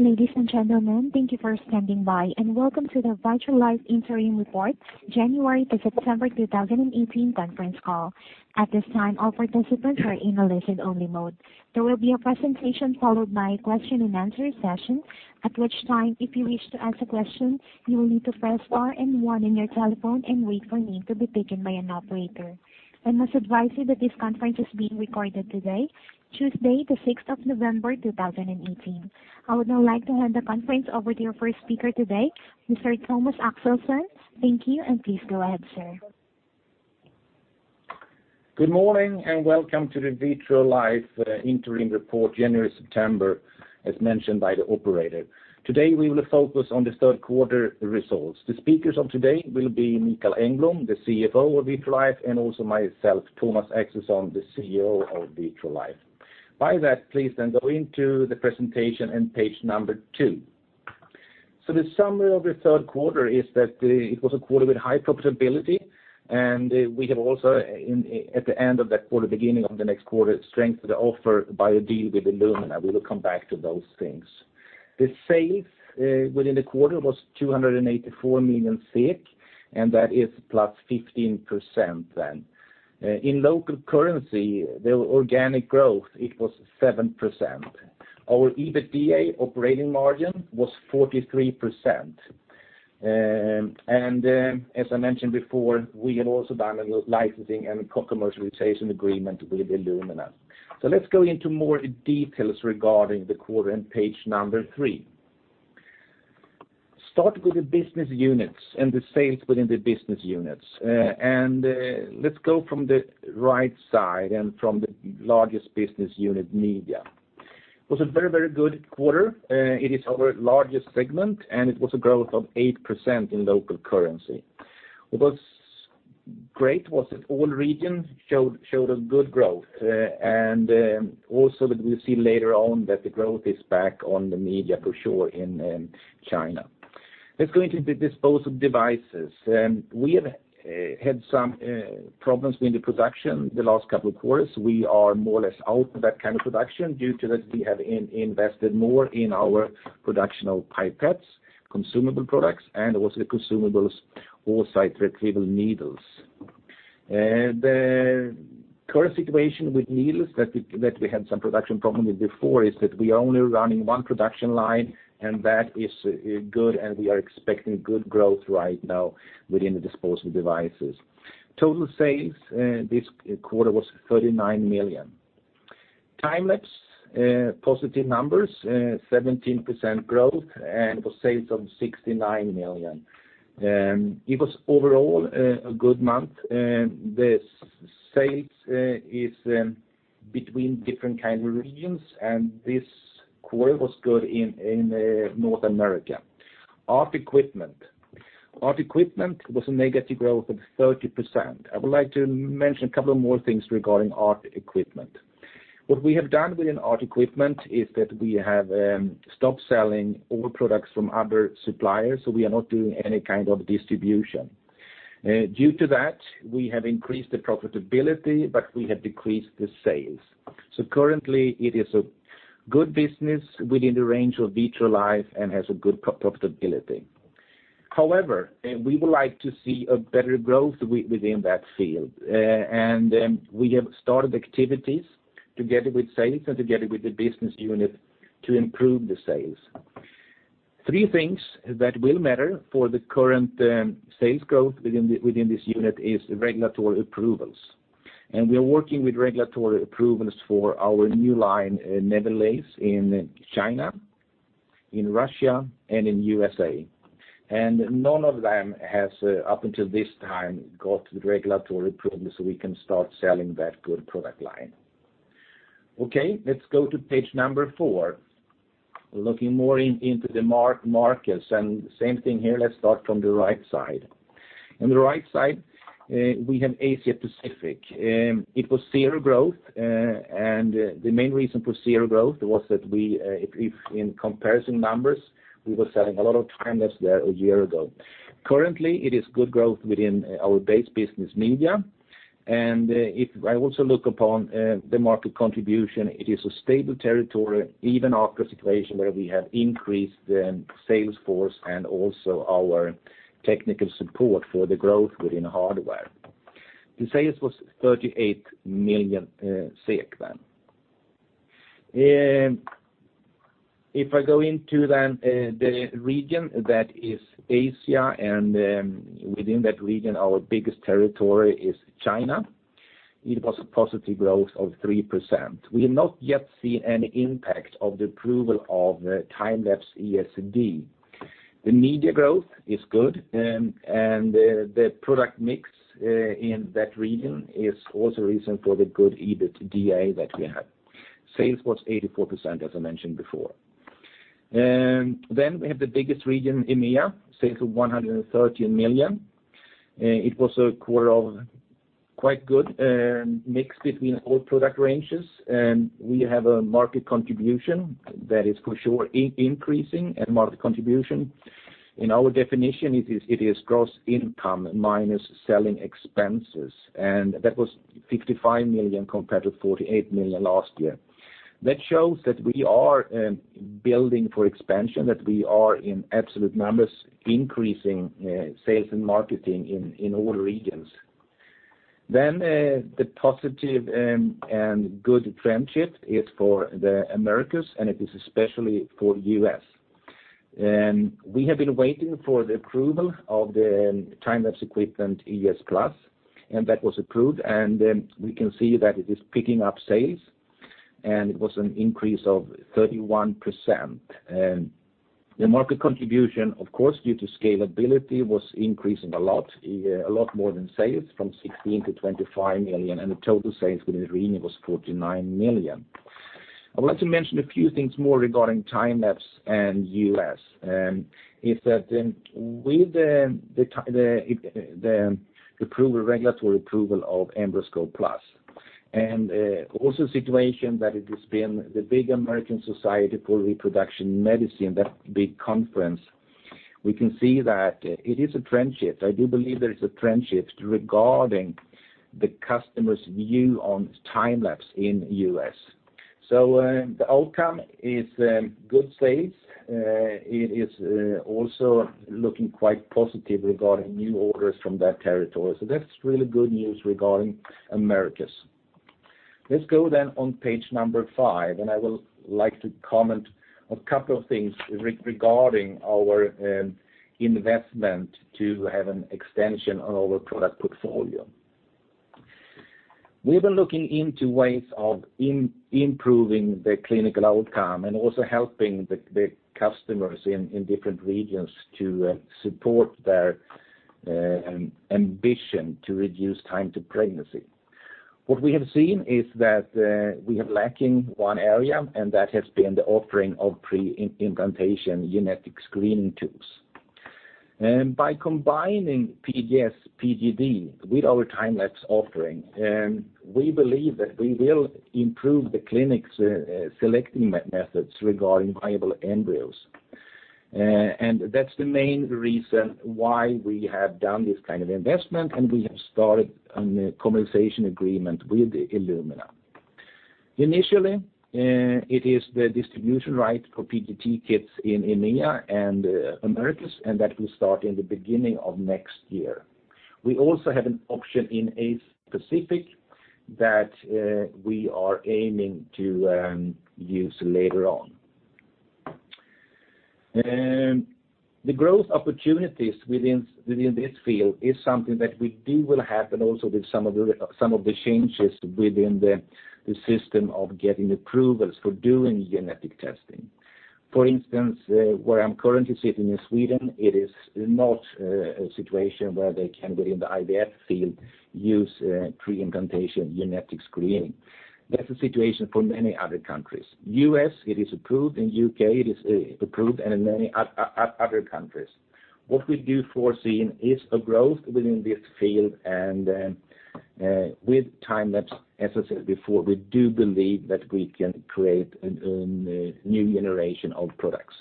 Ladies and gentlemen, thank you for standing by. Welcome to the Vitrolife Interim Report, January to September 2018 conference call. At this time, all participants are in a listen-only mode. There will be a presentation followed by a question and answer session, at which time, if you wish to ask a question, you will need to press star one in your telephone and wait for your name to be taken by an operator. I must advise you that this conference is being recorded today, Tuesday, the 6th of November, 2018. I would now like to hand the conference over to your first speaker today, Mr. Thomas Axelsson. Thank you. Please go ahead, sir. Good morning, welcome to the Vitrolife Interim Report, January-September, as mentioned by the operator. Today, we will focus on the third quarter results. The speakers of today will be Mikael Engblom, the CFO of Vitrolife, and also myself, Thomas Axelsson, the CEO of Vitrolife. By that, please go into the presentation in page two. The summary of the third quarter is that it was a quarter with high profitability, and we have also, at the end of that quarter, beginning of the next quarter, strengthened the offer by a deal with Illumina. We will come back to those things. The sales within the quarter was 284 million SEK, and that is +15% then. In local currency, the organic growth, it was 7%. Our EBITDA operating margin was 43%. As I mentioned before, we have also done a licensing and co-commercialization agreement with Illumina. Let's go into more details regarding the quarter in page number three. Start with the business units and the sales within the business units. Let's go from the right side and from the largest business unit, Media. It was a very, very good quarter. It is our largest segment, and it was a growth of 8% in local currency. What was great was that all regions showed a good growth, and also that we see later on that the growth is back on the media for sure in China. Let's go into the disposable devices. We have had some problems with the production the last couple of quarters. We are more or less out of that kind of production. Due to this, we have invested more in our production of pipettes, consumable products, and also the consumables oocyte retrieval needles. The current situation with needles that we had some production problem with before, is that we are only running one production line, and that is good, and we are expecting good growth right now within the disposable devices. Total sales this quarter was 39 million. Time-lapse positive numbers, 17% growth, and it was sales of 69 million. It was overall a good month, the sales is between different kind of regions, and this quarter was good in North America. ART Equipment. ART Equipment was a negative growth of 30%. I would like to mention a couple of more things regarding ART Equipment. What we have done within ART Equipment is that we have stopped selling all products from other suppliers, so we are not doing any kind of distribution. Due to that, we have increased the profitability, but we have decreased the sales. Currently, it is a good business within the range of Vitrolife and has a good profitability. However, we would like to see a better growth within that field. We have started activities together with sales and together with the business unit to improve the sales. Three things that will matter for the current sales growth within this unit is regulatory approvals. We are working with regulatory approvals for our new line, NaviLase, in China, in Russia, and in USA. None of them has, up until this time, got the regulatory approval, so we can start selling that good product line. Okay, let's go to page number four. Looking into the markets, and same thing here, let's start from the right side. On the right side, we have Asia Pacific. It was zero growth, and the main reason for zero growth was that we, if in comparison numbers, we were selling a lot of Time-lapse there a year ago. Currently, it is good growth within our base business Media, and if I also look upon the market contribution, it is a stable territory, even after a situation where we have increased the sales force and also our technical support for the growth within hardware. The sales was 38 million SEK then. If I go into the region that is Asia, within that region, our biggest territory is China, it was a positive growth of 3%. We have not yet seen any impact of the approval of the Time-lapse ESD. The Media growth is good, the product mix in that region is also a reason for the good EBITDA that we have. Sales was 84%, as I mentioned before. We have the biggest region, EMEA, sales of 113 million. It was a quarter of quite good mix between all product ranges, we have a market contribution that is for sure increasing, market contribution in our definition, it is gross income minus selling expenses, and that was 55 million compared to 48 million last year. That shows that we are building for expansion, that we are in absolute numbers, increasing sales and marketing in all regions. The positive and good trend shift is for the Americas, and it is especially for U.S. We have been waiting for the approval of the time-lapse equipment, ES Class, and that was approved, and we can see that it is picking up sales, and it was an increase of 31%. The market contribution, of course, due to scalability, was increasing a lot, a lot more than sales, from 16 million-25 million, and the total sales within Arena was 49 million. I would like to mention a few things more regarding time-lapse and U.S., and is that in with the approval, regulatory approval of EmbryoScope+, also situation that it has been the big American Society for Reproductive Medicine, that big conference, we can see that it is a trend shift. I do believe there is a trend shift regarding the customer's view on time-lapse in U.S. The outcome is good sales. It is also looking quite positive regarding new orders from that territory. That's really good news regarding Americas. Let's go then on page number five. I will like to comment a couple of things regarding our investment to have an extension on our product portfolio. We've been looking into ways of improving the clinical outcome and also helping the customers in different regions to support their ambition to reduce time to pregnancy. What we have seen is that we are lacking one area, and that has been the offering of pre-implantation genetic screening tools. By combining PGS, PGD with our Time-lapse offering, we believe that we will improve the clinic's selecting methods regarding viable embryos. That's the main reason why we have done this kind of investment, and we have started on a conversation agreement with Illumina. Initially, it is the distribution right for PGT kits in EMEA and Americas, and that will start in the beginning of next year. We also have an option in a specific that we are aiming to use later on. The growth opportunities within this field is something that we do will happen also with some of the system of getting approvals for doing genetic testing. For instance, where I'm currently sitting in Sweden, it is not a situation where they can, within the IVF field, use pre-implantation genetic screening. That's the situation for many other countries. U.S., it is approved, in U.K., it is approved, and in many other countries. What we do foresee is a growth within this field, and with time-lapse, as I said before, we do believe that we can create a new generation of products.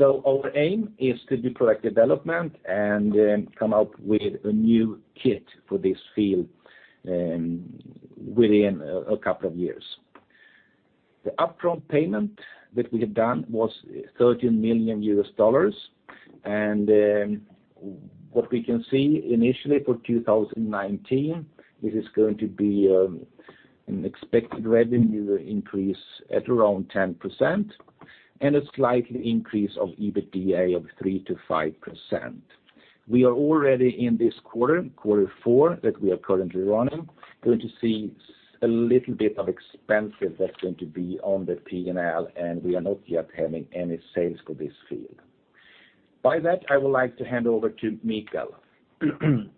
Our aim is to do product development and come up with a new kit for this field within a couple of years. The upfront payment that we have done was $13 million. What we can see initially for 2019, it is going to be an expected revenue increase at around 10% and a slight increase of EBITDA of 3%-5%. We are already in this quarter four, that we are currently running, going to see a little bit of expenses that's going to be on the P&L. We are not yet having any sales for this field. By that, I would like to hand over to Mikael.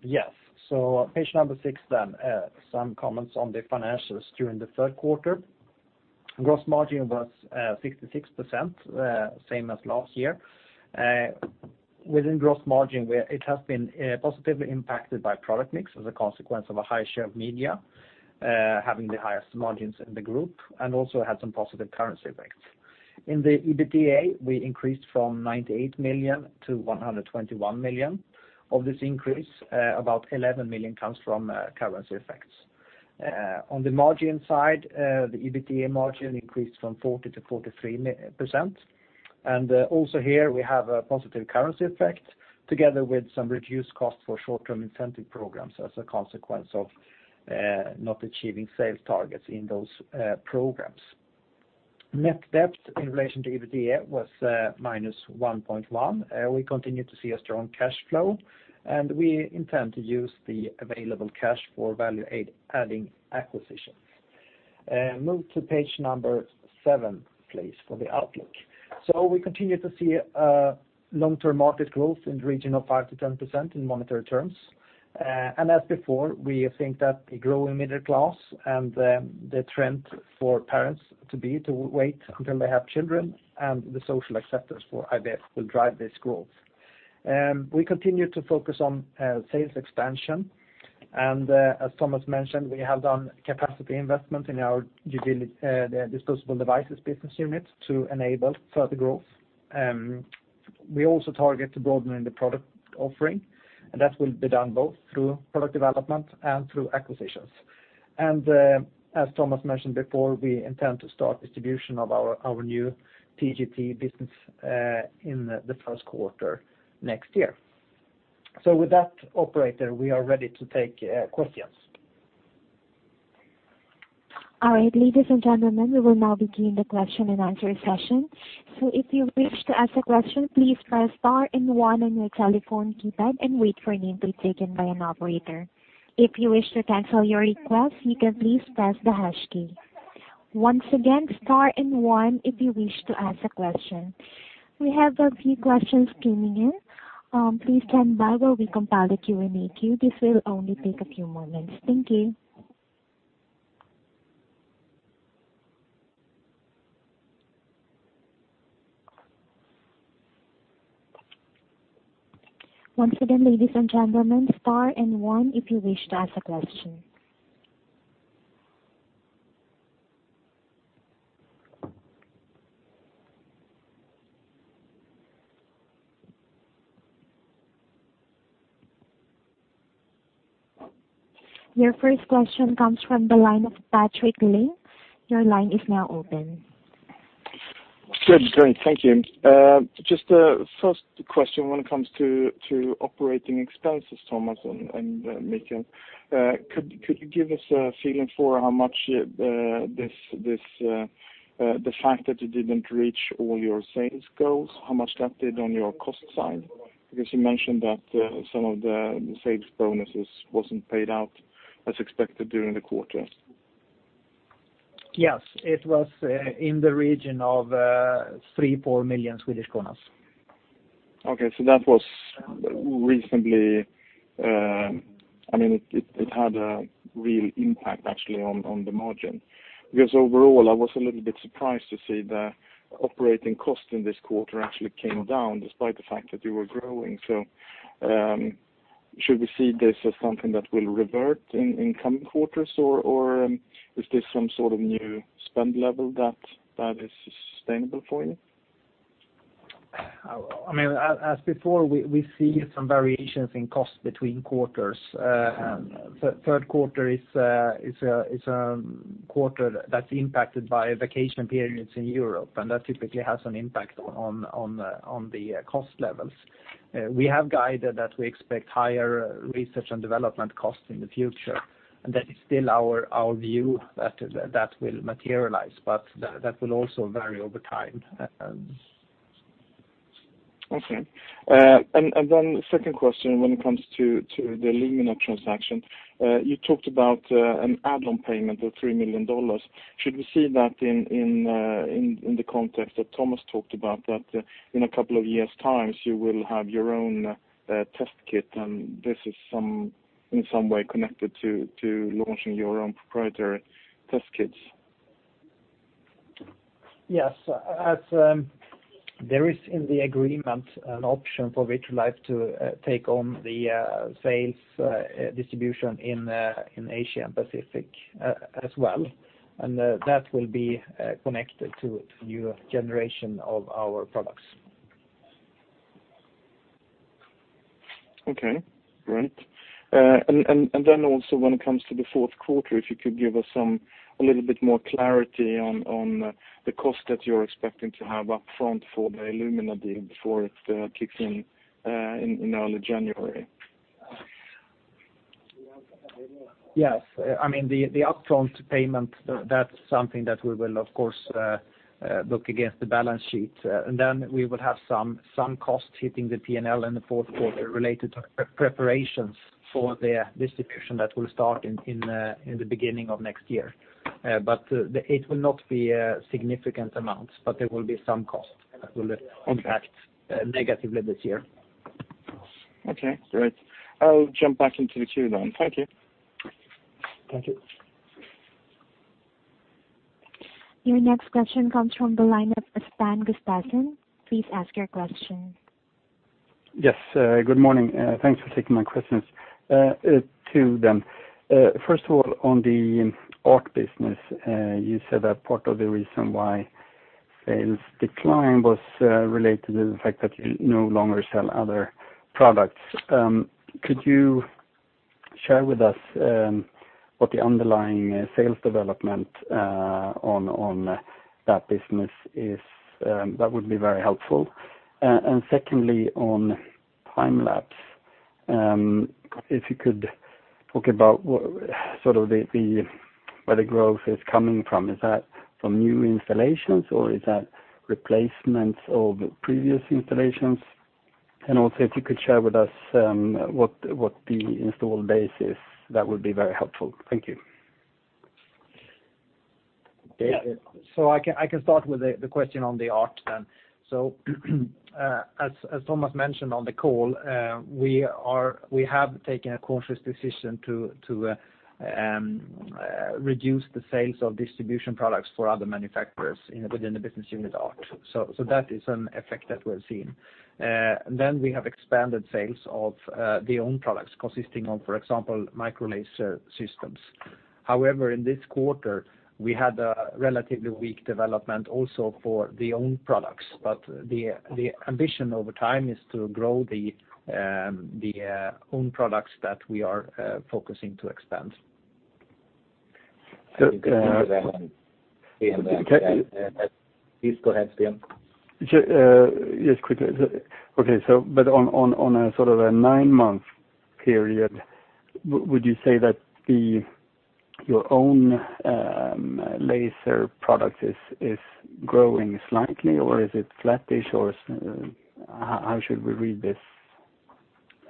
Yes, page number six, then, some comments on the financials during the third quarter. Gross margin was 66%, same as last year. Within gross margin, where it has been positively impacted by product mix as a consequence of a high share of Media, having the highest margins in the Group, and also had some positive currency effects. In the EBITDA, we increased from 98 million-121 million. Of this increase, about 11 million comes from currency effects. On the margin side, the EBITDA margin increased from 40%-43%. Also here, we have a positive currency effect, together with some reduced cost for short-term incentive programs as a consequence of not achieving sales targets in those programs. Net debt in relation to EBITDA was -1.1. We continue to see a strong cash flow, and we intend to use the available cash for value-adding acquisitions. Move to page seven, please, for the outlook. We continue to see long-term market growth in the region of 5%-10% in monetary terms. As before, we think that the growing middle class, the trend for parents to wait until they have children, and the social acceptance for IVF will drive this growth. We continue to focus on sales expansion. As Thomas mentioned, we have done capacity investment in our utility, the disposable devices business unit to enable further growth. We also target to broadening the product offering, and that will be done both through product development and through acquisitions. As Thomas mentioned before, we intend to start distribution of our new PGT business in the first quarter next year. With that, operator, we are ready to take questions. All right, ladies and gentlemen, we will now begin the question and answer session. If you wish to ask a question, please press star and one on your telephone keypad and wait for your name to be taken by an operator. If you wish to cancel your request, you can please press the hash key. Once again, star and one if you wish to ask a question. We have a few questions coming in. Please stand by while we compile the Q&A queue. This will only take a few moments. Thank you. Once again, ladies and gentlemen, star and one if you wish to ask a question. Your first question comes from the line of Patrick Ling. Your line is now open. Good. Great, thank you. Just a first question when it comes to operating expenses, Thomas and Mikael, could you give us a feeling for how much the fact that you didn't reach all your sales goals, how much that did on your cost side? Because you mentioned that some of the sales bonuses wasn't paid out as expected during the quarter. Yes, it was in the region of 3 million, SEK 4 million. That was recently, I mean, it had a real impact actually on the margin. Overall, I was a little bit surprised to see the operating cost in this quarter actually came down, despite the fact that you were growing. Should we see this as something that will revert in coming quarters, or is this some sort of new spend level that is sustainable for you? I mean, as before, we see some variations in costs between quarters. The third quarter is a quarter that's impacted by vacation periods in Europe, and that typically has an impact on the cost levels. We have guided that we expect higher research and development costs in the future. That is still our view that that will materialize, but that will also vary over time. Okay. Then the second question, when it comes to the Illumina transaction, you talked about an add-on payment of $3 million. Should we see that in the context that Thomas talked about, that in a couple of years' times, you will have your own test kit, this is in some way connected to launching your own proprietary test kits? Yes. As there is in the agreement an option for Vitrolife to take on the sales distribution in Asia and Pacific as well, and that will be connected to new generation of our products. Okay, great. Also, when it comes to the fourth quarter, if you could give us some, a little bit more clarity on the cost that you're expecting to have up front for the Illumina deal before it kicks in in early January. Yes. I mean, the upfront payment, that's something that we will of course book against the balance sheet. And then we will have some costs hitting the P&L in the fourth quarter related to the preparations for the distribution that will start in the beginning of next year. But it will not be significant amounts, but there will be some cost that will impact negatively this year. Okay, great. I'll jump back into the queue then. Thank you. Thank you. Your next question comes from the line of Sten Gustafsson. Please ask your question. Yes, good morning, thanks for taking my questions. Two of them. First of all, on the ART business, you said that part of the reason why sales decline was related to the fact that you no longer sell other products. Could you share with us what the underlying sales development on that business is? That would be very helpful. Secondly, on Time-lapse, if you could talk about sort of the, where the growth is coming from. Is that from new installations, or is that replacements of previous installations? Also, if you could share with us what the install base is, that would be very helpful. Thank you. I can start with the question on the ART then. As Thomas mentioned on the call, we have taken a conscious decision to reduce the sales of distribution products for other manufacturers within the business unit ART. That is an effect that we're seeing. Then we have expanded sales of the own products, consisting of, for example, microlaser systems. In this quarter, we had a relatively weak development also for the own products. The ambition over time is to grow the own products that we are focusing to expand. Please go ahead, Sten. Just, yes, quickly. On a sort of a nine month period, would you say that the, your own, laser product is growing slightly, or is it flattish, or how should we read this?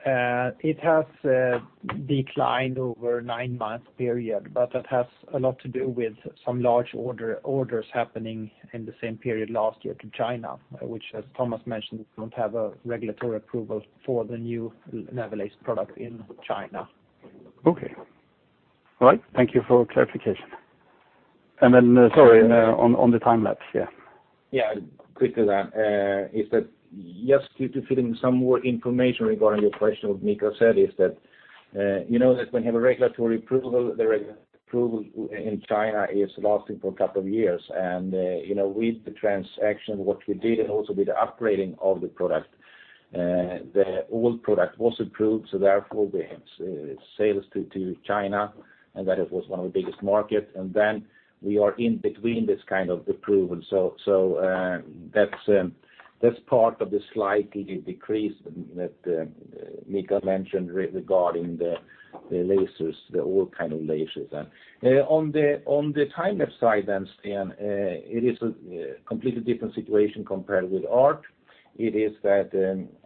It has declined over nine-month period, but that has a lot to do with some large orders happening in the same period last year to China, which, as Thomas mentioned, don't have a regulatory approval for the new NaviLase product in China. Okay. All right, thank you for clarification. Sorry, on the Time-lapse, yeah. Quickly that is that just to fill in some more information regarding your question with Mikael said, is that, you know, that when you have a regulatory approval, the approval in China is lasting for a couple of years. You know, with the transaction, what we did and also with the upgrading of the product, the old product was approved, therefore, we have sales to China, that it was one of the biggest markets. We are in between this kind of approval. That's that's part of the slight decrease that Mikael mentioned regarding the lasers, the old kind of lasers. On the Time-lapse side, Sten, it is a completely different situation compared with ART. It is that,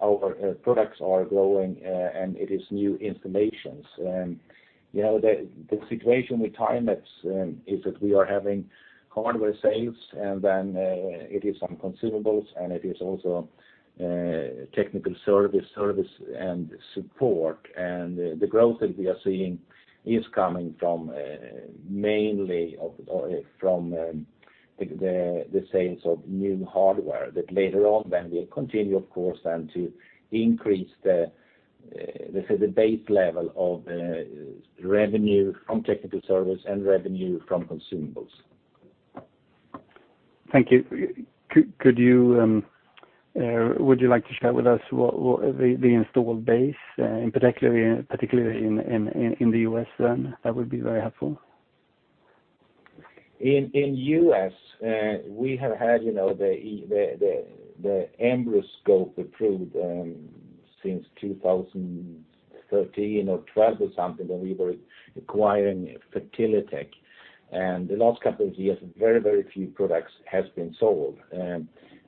our products are growing, and it is new installations. you know, the situation with time lapse, is that we are having hardware sales, and then, it is some consumables, and it is also, technical service and support. The growth that we are seeing is coming from the sales of new hardware, that later on, then will continue, of course, then to increase the, let's say, the base level of, revenue from technical service and revenue from consumables. Thank you. Could you would you like to share with us what the installed base particularly in the U.S., then? That would be very helpful. In U.S., we have had, you know, the EmbryoScope approved since 2013 or 2012 or something, when we were acquiring FertiliTech. The last couple of years, very few products has been sold.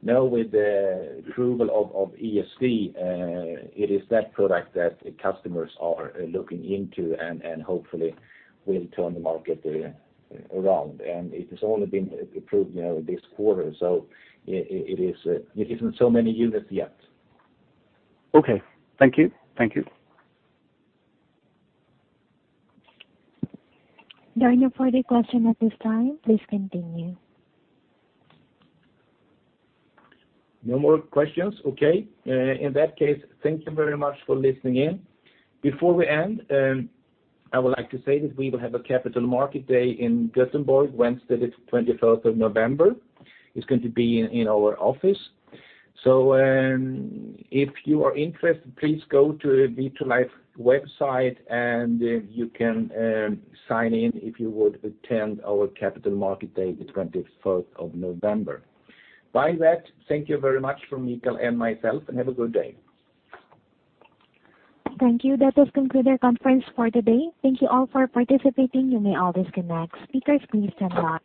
Now, with the approval of ESC, it is that product that the customers are looking into and hopefully will turn the market around. It has only been approved, you know, this quarter, so it is, it isn't so many units yet. Okay. Thank you. Thank you. There are no further question at this time. Please continue. No more questions? Okay. In that case, thank you very much for listening in. Before we end, I would like to say that we will have a Capital Market Day in Gothenburg, Wednesday, the 21st of November. It's going to be in our office. If you are interested, please go to the Vitrolife website, and you can sign in if you would attend our Capital Market Day, the 21st of November. By that, thank you very much from Mikael and myself, and have a good day. Thank you. That does conclude our conference for today. Thank you all for participating. You may all disconnect. Speakers, please stand by.